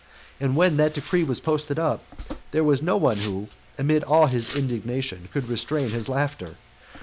And when that decree was posted up, there was no one who, amid all his indignation, could restrain his laughter.